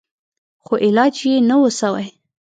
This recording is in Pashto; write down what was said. خو علاج يې نه و سوى.